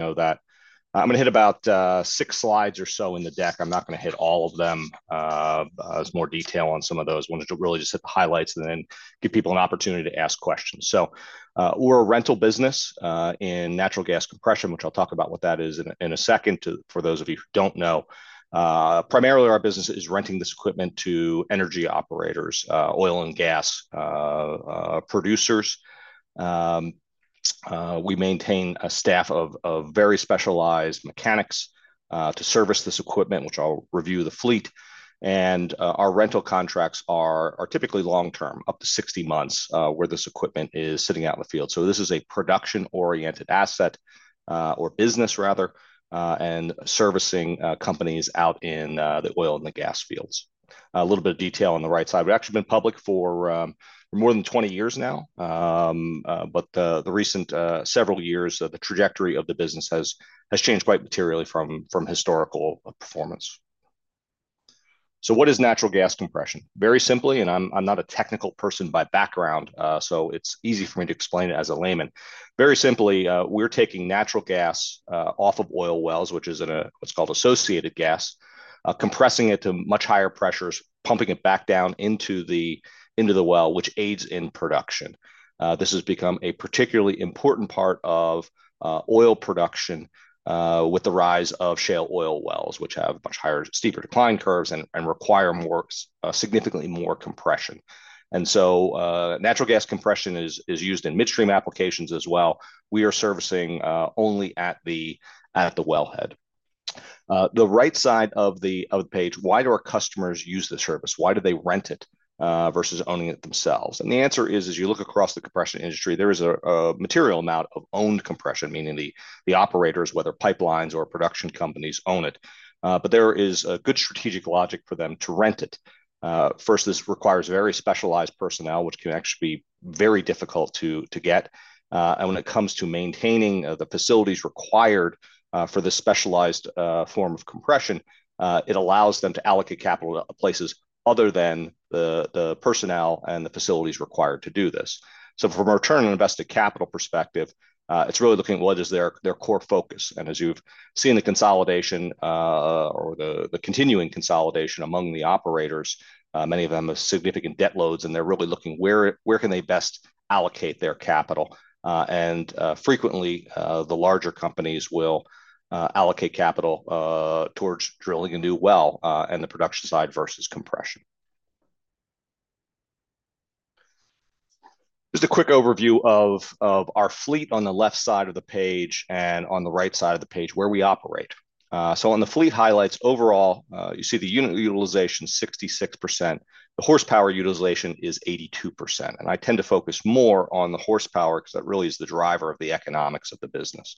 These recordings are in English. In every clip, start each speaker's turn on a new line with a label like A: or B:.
A: know that. I'm gonna hit about six slides or so in the deck. I'm not gonna hit all of them. There's more detail on some of those. Wanted to really just hit the highlights, and then give people an opportunity to ask questions. So, we're a rental business in natural gas compression, which I'll talk about what that is in a second for those of you who don't know. Primarily, our business is renting this equipment to energy operators, oil and gas producers. We maintain a staff of very specialized mechanics to service this equipment, which I'll review the fleet, and our rental contracts are typically long-term, up to sixty months, where this equipment is sitting out in the field. So this is a production-oriented asset, or business rather, and servicing companies out in the oil and the gas fields. A little bit of detail on the right side. We've actually been public for more than twenty years now. But the recent several years, the trajectory of the business has changed quite materially from historical performance. So what is natural gas compression? Very simply, and I'm not a technical person by background, so it's easy for me to explain it as a layman. Very simply, we're taking natural gas off of oil wells, which is in a what's called associated gas, compressing it to much higher pressures, pumping it back down into the well, which aids in production. This has become a particularly important part of oil production with the rise of shale oil wells, which have much higher, steeper decline curves and require more, significantly more compression. Natural gas compression is used in midstream applications as well. We are servicing only at the wellhead. The right side of the page, why do our customers use this service? Why do they rent it versus owning it themselves? The answer is, as you look across the compression industry, there is a material amount of owned compression, meaning the operators, whether pipelines or production companies, own it. There is a good strategic logic for them to rent it. First, this requires very specialized personnel, which can actually be very difficult to get. And when it comes to maintaining the facilities required for this specialized form of compression, it allows them to allocate capital to places other than the personnel and the facilities required to do this. So from a return on invested capital perspective, it's really looking at what is their core focus. And as you've seen the consolidation or the continuing consolidation among the operators, many of them have significant debt loads, and they're really looking where they can best allocate their capital. And, frequently, the larger companies will allocate capital towards drilling a new well and the production side versus compression. Just a quick overview of our fleet on the left side of the page and on the right side of the page, where we operate. So on the fleet highlights overall, you see the unit utilization, 66%. The horsepower utilization is 82%, and I tend to focus more on the horsepower, 'cause that really is the driver of the economics of the business.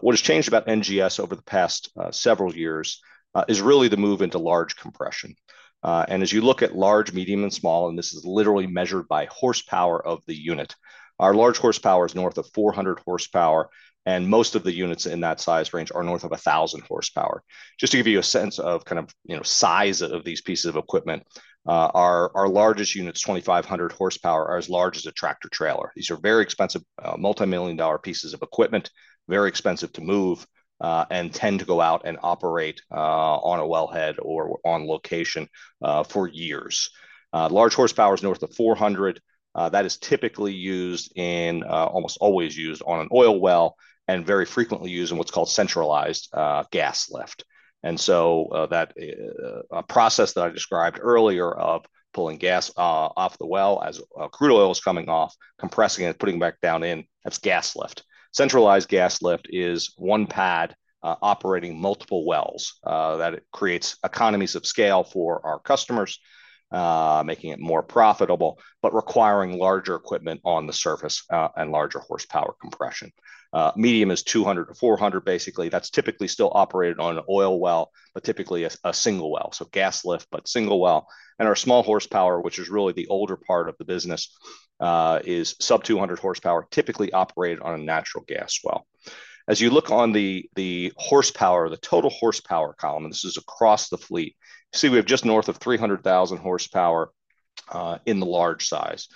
A: What has changed about NGS over the past several years is really the move into large compression. And as you look at large, medium, and small, and this is literally measured by horsepower of the unit, our large horsepower is north of 400 horsepower, and most of the units in that size range are north of 1,000 horsepower. Just to give you a sense of kind of, you know, size of these pieces of equipment, our largest units, 2,500 horsepower, are as large as a tractor trailer. These are very expensive, multimillion-dollar pieces of equipment, very expensive to move, and tend to go out and operate, on a wellhead or on location, for years. Large horsepower is north of 400. That is typically used in, almost always used on an oil well, and very frequently used in what's called centralized gas lift. And so, that process that I described earlier of pulling gas, off the well as crude oil is coming off, compressing it, and putting it back down in, that's gas lift. Centralized gas lift is one pad, operating multiple wells. That creates economies of scale for our customers, making it more profitable, but requiring larger equipment on the surface, and larger horsepower compression. Medium is 200-400. Basically, that's typically still operated on an oil well, but typically a single well, so gas lift, but single well. And our small horsepower, which is really the older part of the business, is sub 200 horsepower, typically operated on a natural gas well. As you look on the horsepower, the total horsepower column, and this is across the fleet, you see we have just north of 300,000 horsepower in the large size.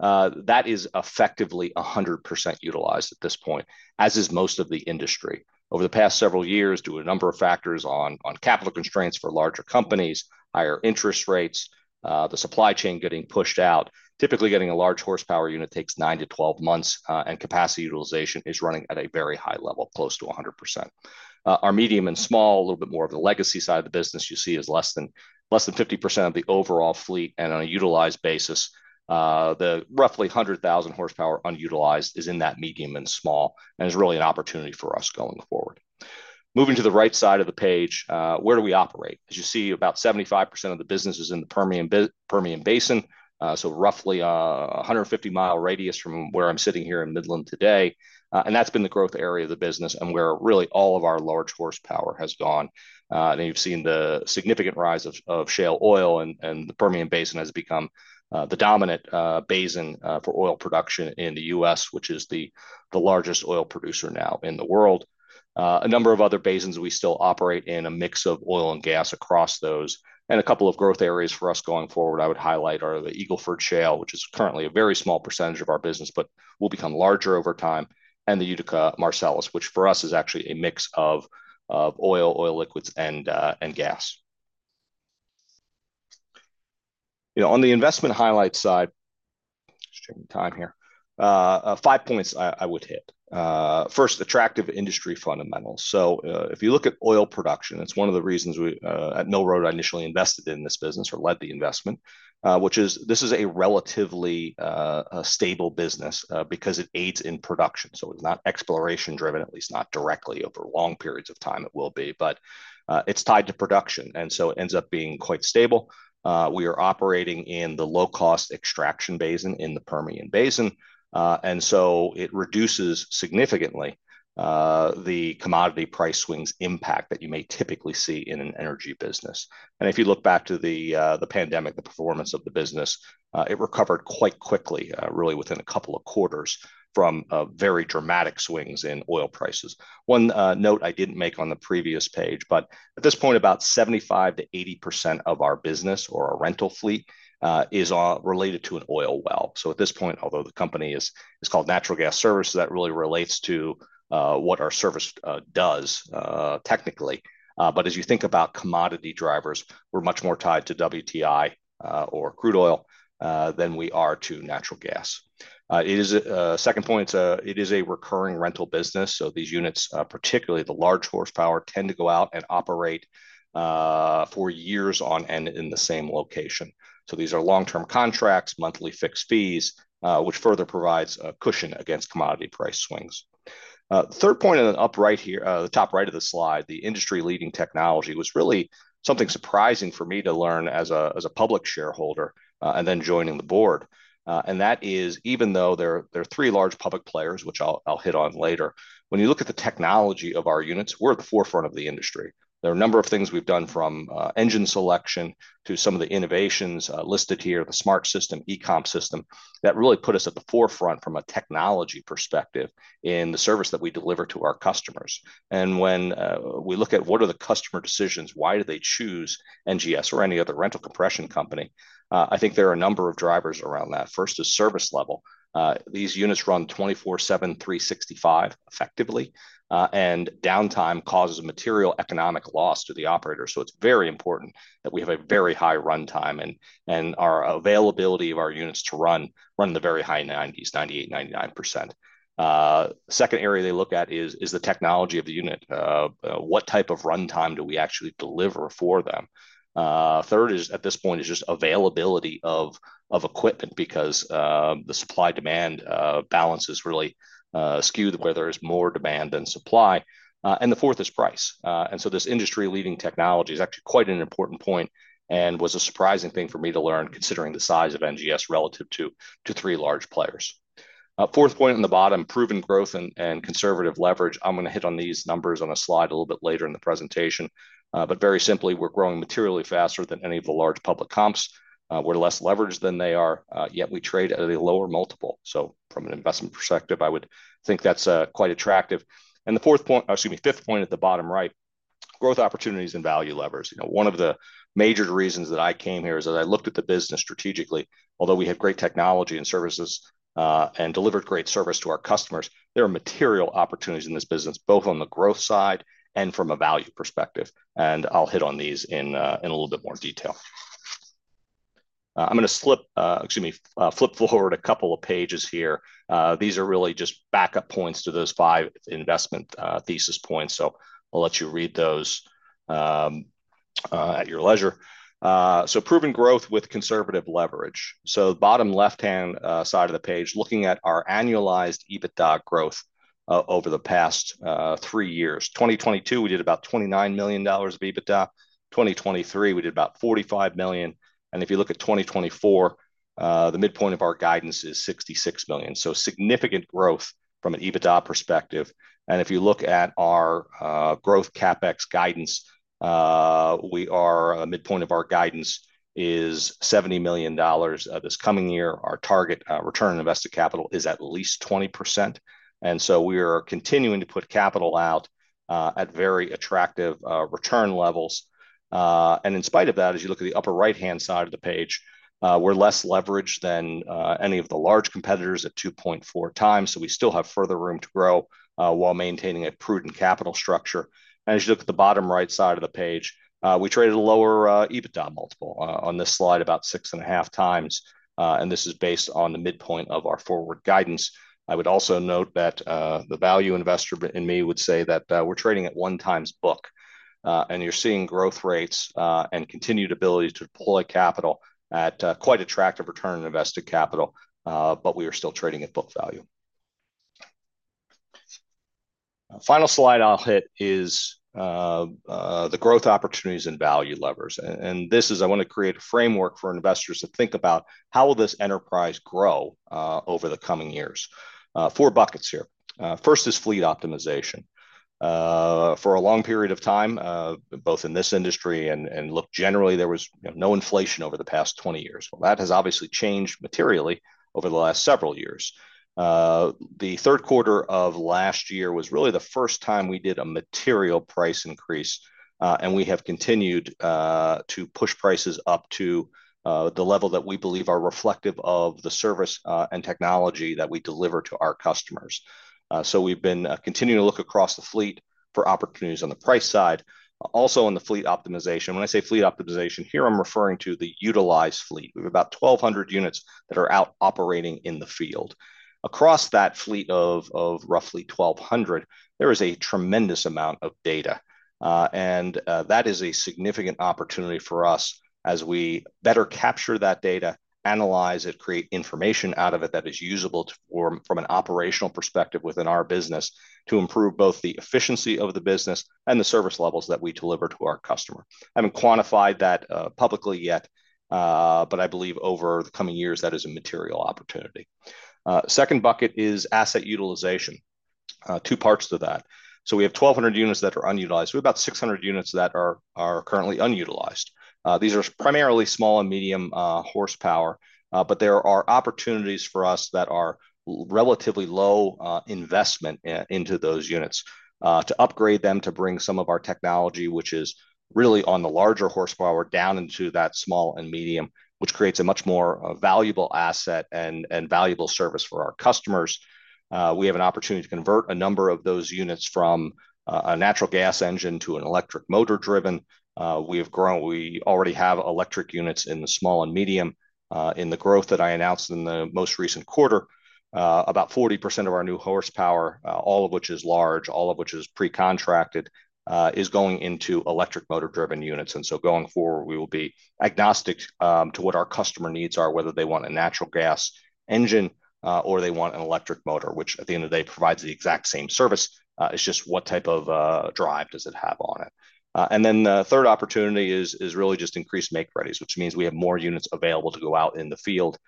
A: That is effectively 100% utilized at this point, as is most of the industry. Over the past several years, due to a number of factors on capital constraints for larger companies, higher interest rates, the supply chain getting pushed out, typically getting a large horsepower unit takes nine to 12 months, and capacity utilization is running at a very high level, close to 100%. Our medium and small, a little bit more of the legacy side of the business, you see is less than 50% of the overall fleet. On a utilized basis, the roughly 100,000 horsepower unutilized is in that medium and small, and is really an opportunity for us going forward. Moving to the right side of the page, where do we operate? As you see, about 75% of the business is in the Permian Basin, so roughly, a 150-mile radius from where I'm sitting here in Midland today. And that's been the growth area of the business, and where really all of our large horsepower has gone. And you've seen the significant rise of shale oil, and the Permian Basin has become the dominant basin for oil production in the U.S., which is the largest oil producer now in the world. A number of other basins, we still operate in a mix of oil and gas across those. And a couple of growth areas for us going forward I would highlight are the Eagle Ford Shale, which is currently a very small percentage of our business, but will become larger over time, and the Utica-Marcellus, which for us is actually a mix of oil, oil liquids, and gas. You know, on the investment highlights side, just checking the time here, five points I would hit. First, attractive industry fundamentals. So, if you look at oil production, it's one of the reasons we at Mill Road initially invested in this business or led the investment, which is a relatively stable business, because it aids in production. So it's not exploration-driven, at least not directly. Over long periods of time, it will be, but it's tied to production, and so it ends up being quite stable. We are operating in the low-cost extraction basin, in the Permian Basin, and so it reduces significantly the commodity price swings impact that you may typically see in an energy business, and if you look back to the pandemic, the performance of the business, it recovered quite quickly, really within a couple of quarters from very dramatic swings in oil prices. One note I didn't make on the previous page, but at this point, about 75%-80% of our business or our rental fleet is related to an oil well, so at this point, although the company is called Natural Gas Services, that really relates to what our service does technically. But as you think about commodity drivers, we're much more tied to WTI, or crude oil, than we are to natural gas. Second point, it is a recurring rental business, so these units, particularly the large horsepower, tend to go out and operate for years on end in the same location. So these are long-term contracts, monthly fixed fees, which further provides a cushion against commodity price swings. Third point in the upper right here, the top right of the slide, the industry-leading technology was really something surprising for me to learn as a public shareholder, and then joining the board. And that is, even though there are three large public players, which I'll hit on later, when you look at the technology of our units, we're at the forefront of the industry. There are a number of things we've done from engine selection to some of the innovations listed here, the Smart System, E-Com System, that really put us at the forefront from a technology perspective in the service that we deliver to our customers. And when we look at what are the customer decisions, why do they choose NGS or any other rental compression company? I think there are a number of drivers around that. First is service level. These units run twenty-four/seven, three sixty-five effectively, and downtime causes a material economic loss to the operator. So it's very important that we have a very high runtime, and our availability of our units to run in the very high 90s, 98-99%. Second area they look at is the technology of the unit. What type of runtime do we actually deliver for them? Third is, at this point, just availability of equipment, because the supply-demand balance is really skewed, where there is more demand than supply. And the fourth is price. And so this industry-leading technology is actually quite an important point and was a surprising thing for me to learn, considering the size of NGS relative to three large players. Fourth point on the bottom, proven growth and conservative leverage. I'm gonna hit on these numbers on a slide a little bit later in the presentation, but very simply, we're growing materially faster than any of the large public comps. We're less leveraged than they are, yet we trade at a lower multiple. So from an investment perspective, I would think that's quite attractive, and the fourth point, excuse me, fifth point at the bottom right, growth opportunities and value levers. You know, one of the major reasons that I came here is that I looked at the business strategically. Although we have great technology and services, and delivered great service to our customers, there are material opportunities in this business, both on the growth side and from a value perspective, and I'll hit on these in a little bit more detail. I'm gonna slip, excuse me, flip forward a couple of pages here. These are really just backup points to those five investment thesis points, so I'll let you read those at your leisure, so proven growth with conservative leverage, so bottom left-hand side of the page, looking at our annualized EBITDA growth over the past three years. 2022, we did about $29 million of EBITDA. 2023, we did about $45 million, and if you look at 2024, the midpoint of our guidance is $66 million. So significant growth from an EBITDA perspective and if you look at our growth CapEx guidance, the midpoint of our guidance is $70 million. This coming year, our target return on invested capital is at least 20%, and so we are continuing to put capital out at very attractive return levels. And in spite of that, as you look at the upper right-hand side of the page, we're less leveraged than any of the large competitors at 2.4x, so we still have further room to grow while maintaining a prudent capital structure. And as you look at the bottom right side of the page, we trade at a lower EBITDA multiple on this slide, about 6.5x, and this is based on the midpoint of our forward guidance. I would also note that, the value investor in me would say that, we're trading at one times book, and you're seeing growth rates, and continued ability to deploy capital at, quite attractive return on invested capital, but we are still trading at book value. Final slide I'll hit is, the growth opportunities and value levers, and this is I want to create a framework for investors to think about: How will this enterprise grow, over the coming years? Four buckets here. First is fleet optimization. For a long period of time, both in this industry and, and look, generally, there was, you know, no inflation over the past 20 years. Well, that has obviously changed materially over the last several years. The third quarter of last year was really the first time we did a material price increase, and we have continued to push prices up to the level that we believe are reflective of the service and technology that we deliver to our customers. So we've been continuing to look across the fleet for opportunities on the price side, also on the fleet optimization. When I say fleet optimization here, I'm referring to the utilized fleet. We have about 1,200 units that are out operating in the field. Across that fleet of roughly 1,200, there is a tremendous amount of data, and that is a significant opportunity for us as we better capture that data, analyze it, create information out of it that is usable from an operational perspective within our business to improve both the efficiency of the business and the service levels that we deliver to our customer. I haven't quantified that publicly yet, but I believe over the coming years, that is a material opportunity. Second bucket is asset utilization. Two parts to that. So we have 1,200 units that are unutilized. We have about 600 units that are currently unutilized. These are primarily small and medium horsepower, but there are opportunities for us that are relatively low investment into those units to upgrade them, to bring some of our technology, which is really on the larger horsepower, down into that small and medium, which creates a much more valuable asset and valuable service for our customers. We have an opportunity to convert a number of those units from a natural gas engine to an electric motor-driven. We already have electric units in the small and medium. In the growth that I announced in the most recent quarter, about 40% of our new horsepower, all of which is large, all of which is pre-contracted, is going into electric motor-driven units. And so going forward, we will be agnostic to what our customer needs are, whether they want a natural gas engine or they want an electric motor, which at the end of the day provides the exact same service. It's just what type of drive does it have on it? And then the third opportunity is really just increased make-readies, which means we have more units available to go out in the field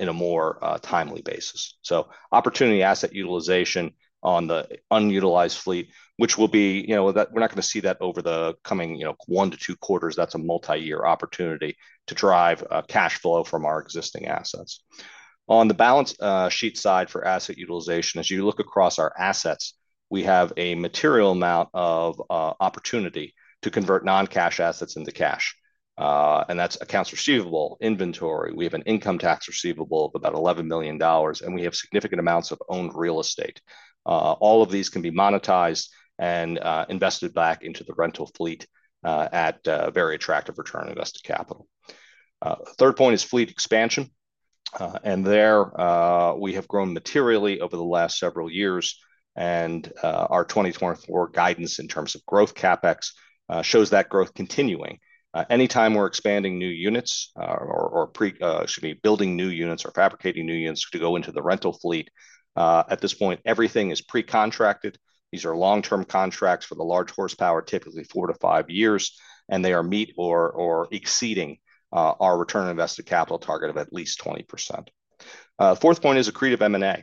A: in a more timely basis. So opportunity asset utilization on the unutilized fleet, which will be... You know, that we're not gonna see that over the coming, you know, one to two quarters. That's a multi-year opportunity to drive cash flow from our existing assets. On the balance sheet side for asset utilization, as you look across our assets, we have a material amount of opportunity to convert non-cash assets into cash, and that's accounts receivable, inventory. We have an income tax receivable of about $11 million, and we have significant amounts of owned real estate. All of these can be monetized and invested back into the rental fleet at a very attractive return on invested capital. Third point is fleet expansion. And there, we have grown materially over the last several years, and our 2024 guidance in terms of growth CapEx shows that growth continuing. Anytime we're expanding new units, or building new units or fabricating new units to go into the rental fleet, at this point, everything is pre-contracted. These are long-term contracts for the large horsepower, typically four to five years, and they are meet or exceeding our return on invested capital target of at least 20%. Fourth point is accretive M&A.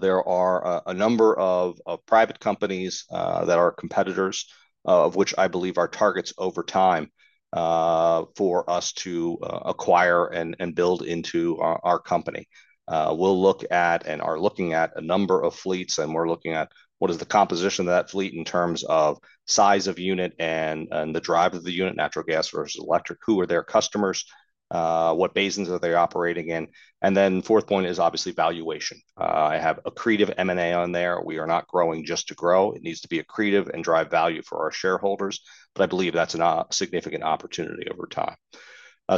A: There are a number of private companies that are competitors of which I believe are targets over time for us to acquire and build into our company. We'll look at and are looking at a number of fleets, and we're looking at what is the composition of that fleet in terms of size of unit and the drive of the unit, natural gas versus electric? Who are their customers? What basins are they operating in, and then fourth point is obviously valuation. I have accretive M&A on there. We are not growing just to grow. It needs to be accretive and drive value for our shareholders, but I believe that's a significant opportunity over time,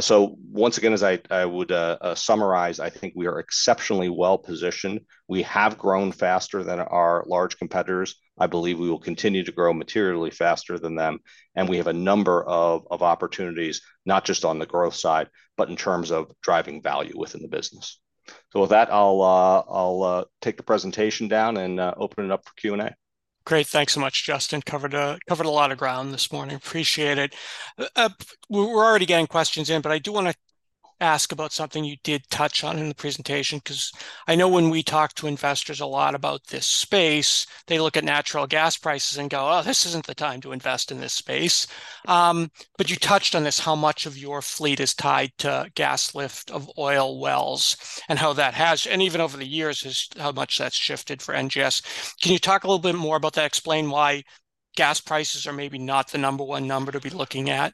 A: so once again, as I would summarize, I think we are exceptionally well-positioned. We have grown faster than our large competitors. I believe we will continue to grow materially faster than them, and we have a number of opportunities, not just on the growth side, but in terms of driving value within the business, so with that, I'll take the presentation down and open it up for Q&A.
B: Great. Thanks so much, Justin. Covered a lot of ground this morning. Appreciate it. We're already getting questions in, but I do wanna ask about something you did touch on in the presentation, 'cause I know when we talk to investors a lot about this space, they look at natural gas prices and go, "Oh, this isn't the time to invest in this space." But you touched on this. How much of your fleet is tied to gas lift of oil wells, and how that has... And even over the years, is how much that's shifted for NGS. Can you talk a little bit more about that, explain why gas prices are maybe not the number one number to be looking at?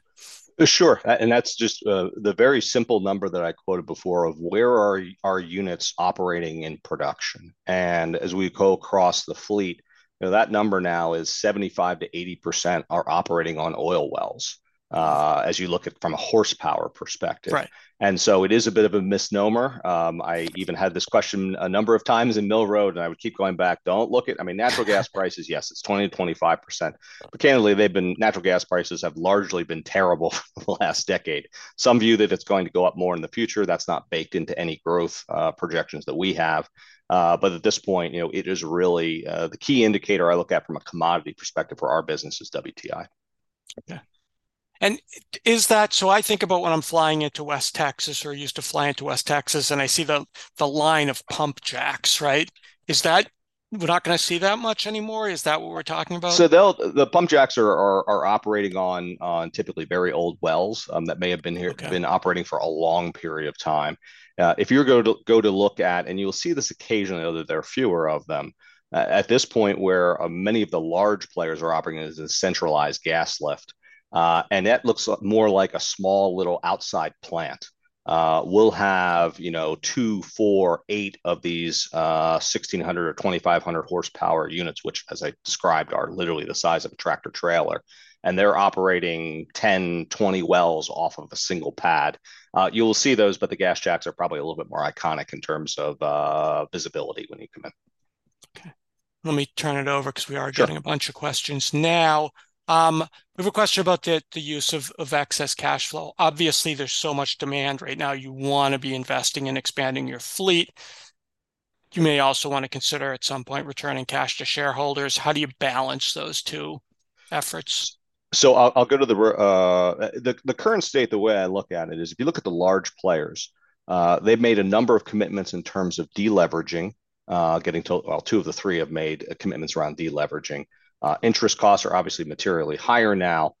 A: Sure. And that's just the very simple number that I quoted before of where are our units operating in production? And as we go across the fleet, you know, that number now is 75%-80% are operating on oil wells, as you look at from a horsepower perspective.
B: Right.
A: It is a bit of a misnomer. I even had this question a number of times in Mill Road, and I would keep going back, "Don't look at..." I mean, natural gas prices, yes, it's 20%-25%. But candidly, they've been- natural gas prices have largely been terrible for the last decade. Some view that it's going to go up more in the future. That's not baked into any growth projections that we have. But at this point, you know, it is really the key indicator I look at from a commodity perspective for our business is WTI.
B: Yeah. And is that... So I think about when I'm flying into West Texas, or used to fly into West Texas, and I see the line of pump jacks, right? Is that we're not gonna see that much anymore? Is that what we're talking about?
A: The pump jacks are operating on typically very old wells that may have been here.
B: Okay...
A: been operating for a long period of time. If you're going to look at, and you'll see this occasionally, although there are fewer of them at this point, where many of the large players are operating as a centralized gas lift, and that looks like more like a small, little outside plant. We'll have, you know, two, four, eight of these 1,600 or 2,500 horsepower units, which, as I described, are literally the size of a tractor trailer, and they're operating 10, 20 wells off of a single pad. You will see those, but the pump jacks are probably a little bit more iconic in terms of visibility when you come in.
B: Okay. Let me turn it over, 'cause we are-
A: Sure...
B: getting a bunch of questions now. We have a question about the use of excess cash flow. Obviously, there's so much demand right now, you wanna be investing in expanding your fleet. You may also want to consider at some point returning cash to shareholders. How do you balance those two efforts?
A: I'll go to the current state, the way I look at it, is if you look at the large players, they've made a number of commitments in terms of de-leveraging, getting to. Well, two of the three have made commitments around de-leveraging. Interest costs are obviously materially higher now.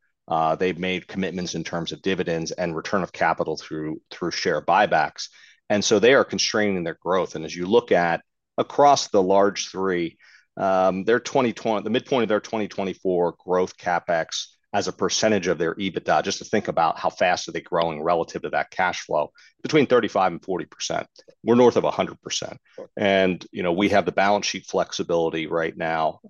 A: They've made commitments in terms of dividends and return of capital through share buybacks, and so they are constraining their growth. And as you look at across the large three, their 2024 growth CapEx as a percentage of their EBITDA, just to think about how fast are they growing relative to that cash flow, between 35%-40%. We're north of 100%. And, you know, we have the balance sheet flexibility right now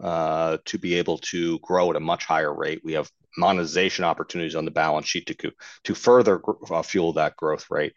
A: to be able to grow at a much higher rate. We have monetization opportunities on the balance sheet to further fuel that growth rate,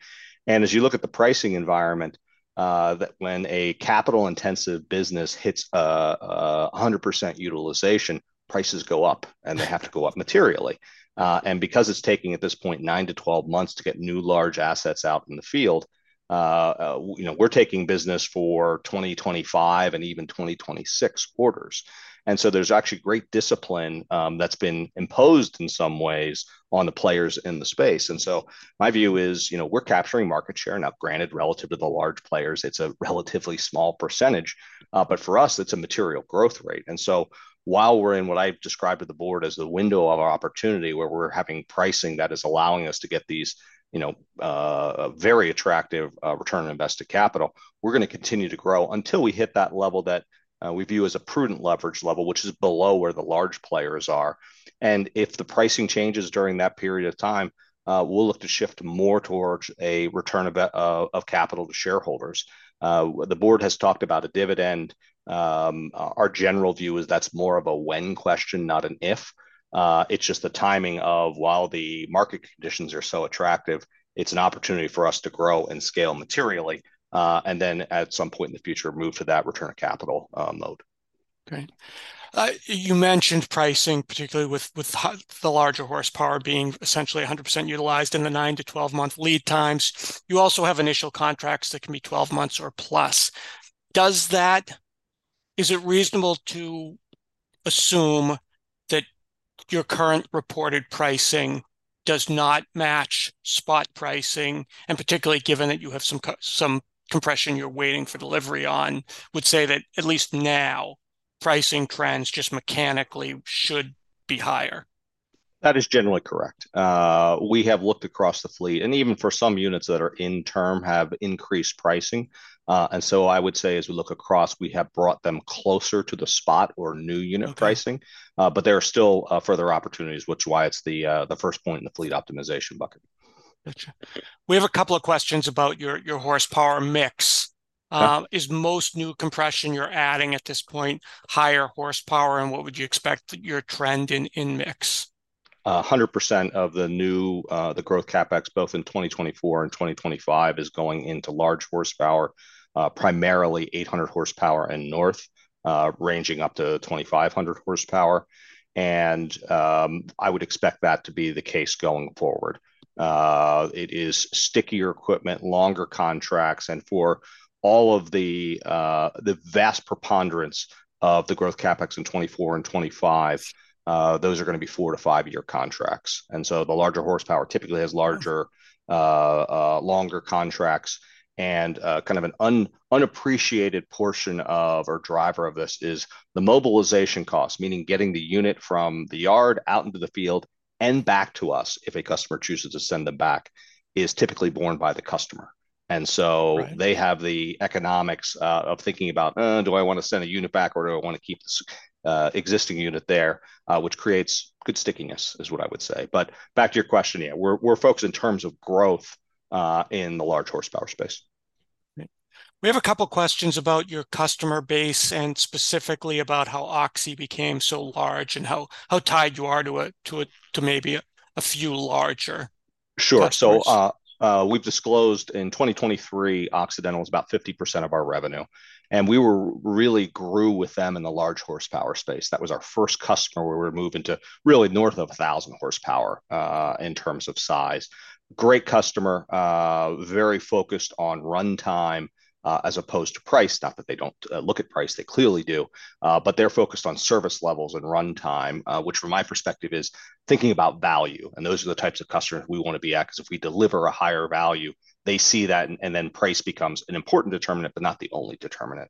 A: and as you look at the pricing environment that, when a capital-intensive business hits 100% utilization, prices go up, and they have to go up materially, and because it's taking, at this point, nine to 12 months to get new large assets out in the field, you know, we're taking business for 2025 and even 2026 quarters, and so there's actually great discipline that's been imposed in some ways on the players in the space, and so my view is, you know, we're capturing market share. Now, granted, relative to the large players, it's a relatively small percentage, but for us, it's a material growth rate. And so while we're in what I've described to the board as the window of opportunity, where we're having pricing that is allowing us to get these, you know, very attractive return on invested capital, we're gonna continue to grow until we hit that level that we view as a prudent leverage level, which is below where the large players are. And if the pricing changes during that period of time, we'll look to shift more towards a return of capital to shareholders. The board has talked about a dividend. Our general view is that's more of a when question, not an if. It's just the timing of while the market conditions are so attractive, it's an opportunity for us to grow and scale materially, and then at some point in the future, move to that return on capital mode.
B: Great. You mentioned pricing, particularly with the larger horsepower being essentially 100% utilized in the nine to 12-month lead times. You also have initial contracts that can be 12 months or plus. Does that... Is it reasonable to assume that your current reported pricing does not match spot pricing, and particularly given that you have some compression you're waiting for delivery on, would say that at least now, pricing trends just mechanically should be higher?
A: That is generally correct. We have looked across the fleet, and even for some units that are in term, have increased pricing. And so I would say as we look across, we have brought them closer to the spot or new unit-
B: Okay...
A: pricing. But there are still further opportunities, which is why it's the first point in the fleet optimization bucket.
B: Gotcha. We have a couple of questions about your horsepower mix.
A: Okay.
B: Is most new compression you're adding at this point higher horsepower, and what would you expect your trend in mix?
A: 100% of the new, the growth CapEx, both in 2024 and 2025, is going into large horsepower, primarily 800 horsepower and north, ranging up to 2,500 horsepower, and, I would expect that to be the case going forward. It is stickier equipment, longer contracts, and for all of the, the vast preponderance of the growth CapEx in 2024 and 2025, those are gonna be four- to five-year contracts. And so the larger horsepower typically has larger-
B: Mm...
A: longer contracts, and kind of an unappreciated portion of or driver of this is the mobilization cost, meaning getting the unit from the yard out into the field and back to us, if a customer chooses to send them back, is typically borne by the customer.
B: Right.
A: And so they have the economics of thinking about, "Do I want to send a unit back, or do I want to keep this existing unit there?" which creates good stickiness, is what I would say. But back to your question, yeah, we're focused in terms of growth in the large horsepower space.
B: Great. We have a couple questions about your customer base, and specifically, about how Oxy became so large and how tied you are to maybe a few larger customers.
A: Sure. So, we've disclosed, in 2023, Occidental was about 50% of our revenue, and we really grew with them in the large horsepower space. That was our first customer, where we were moving to really north of 1,000 horsepower in terms of size. Great customer, very focused on runtime as opposed to price. Not that they don't look at price, they clearly do, but they're focused on service levels and runtime, which from my perspective is thinking about value, and those are the types of customers we want to be at, 'cause if we deliver a higher value, they see that, and, and then price becomes an important determinant, but not the only determinant.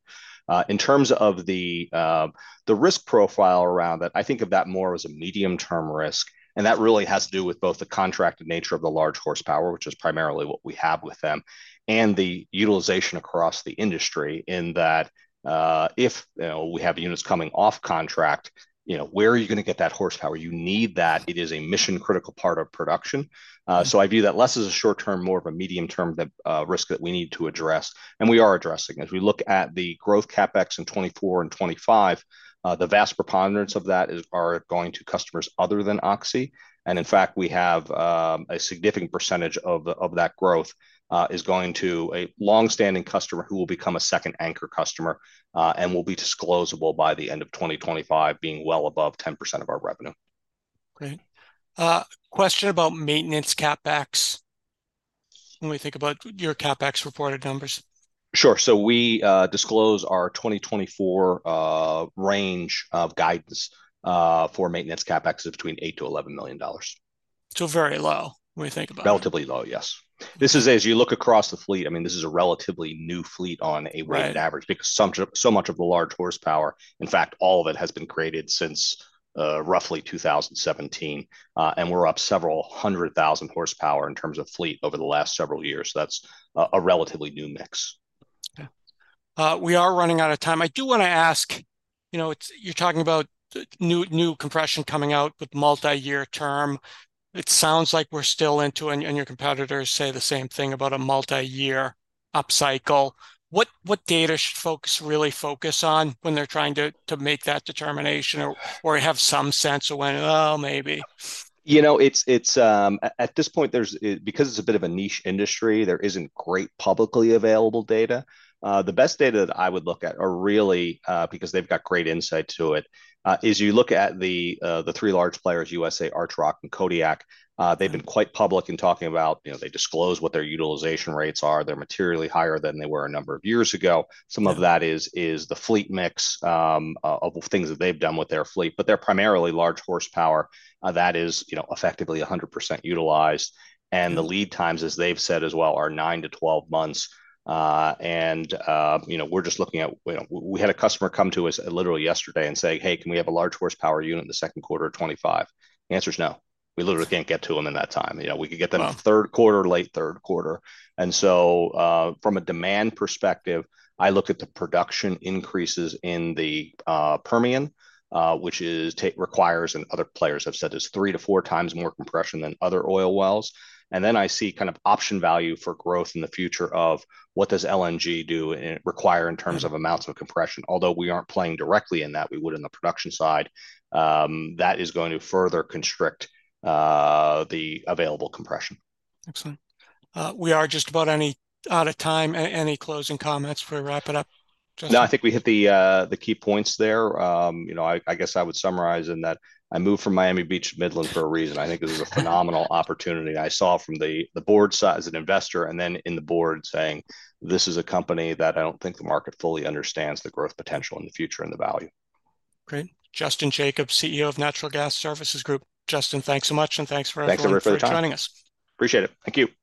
A: In terms of the risk profile around that, I think of that more as a medium-term risk, and that really has to do with both the contracted nature of the large horsepower, which is primarily what we have with them, and the utilization across the industry, in that, you know, we have units coming off contract, you know, where are you going to get that horsepower? You need that. It is a mission-critical part of production, so I view that less as a short term, more of a medium term, the risk that we need to address, and we are addressing. As we look at the growth CapEx in 2024 and 2025, the vast preponderance of that are going to customers other than Oxy. In fact, we have a significant percentage of that growth is going to a long-standing customer who will become a second anchor customer, and will be disclosable by the end of 2025, being well above 10% of our revenue.
B: Great. Question about maintenance CapEx, when we think about your CapEx reported numbers?
A: Sure. So we disclose our 2024 range of guidance for maintenance CapEx of between $8 million-$11 million.
B: So very low, when we think about it?
A: Relatively low, yes. This is as you look across the fleet, I mean, this is a relatively new fleet on-
B: Right...
A: a weighted average, because so much of the large horsepower, in fact, all of it has been created since roughly 2017. And we're up several hundred thousand horsepower in terms of fleet over the last several years. So that's a relatively new mix.
B: Okay. We are running out of time. I do want to ask, you know, it's—you're talking about the new compression coming out with multi-year term. It sounds like we're still into, and your competitors say the same thing about a multi-year upcycle. What data should folks really focus on when they're trying to make that determination or have some sense of when, "Oh, maybe?
A: You know, it's. At this point, there's because it's a bit of a niche industry, there isn't great publicly available data. The best data that I would look at are really, because they've got great insight to it, is you look at the three large players, USA, Archrock, and Kodiak. They've been quite public in talking about, you know, they disclose what their utilization rates are. They're materially higher than they were a number of years ago.
B: Yeah.
A: Some of that is the fleet mix of things that they've done with their fleet, but they're primarily large horsepower that is, you know, effectively 100% utilized.
B: Yeah.
A: The lead times, as they've said as well, are 9 to 12 months. You know, we had a customer come to us literally yesterday and say, "Hey, can we have a large horsepower unit in the second quarter of 2025?" The answer is no. We literally can't get to them in that time. You know, we could get them-
B: Wow...
A: a third quarter, late third quarter. And so, from a demand perspective, I look at the production increases in the Permian, which requires, and other players have said this, three to four times more compression than other oil wells. And then I see kind of option value for growth in the future of what does LNG do, require in terms of-
B: Mm...
A: amounts of compression. Although we aren't playing directly in that, we would in the production side, that is going to further constrict, the available compression.
B: Excellent. We are just about out of time. Any closing comments before we wrap it up, Justin?
A: No, I think we hit the key points there. You know, I guess I would summarize in that I moved from Miami Beach to Midland for a reason. I think this is a phenomenal opportunity I saw from the board side as an investor, and then in the board saying, "This is a company that I don't think the market fully understands the growth potential in the future and the value.
B: Great. Justin Jacobs, CEO of Natural Gas Services Group. Justin, thanks so much, and thanks for everyone-
A: Thanks everyone for the time....
B: for joining us.
A: Appreciate it. Thank you.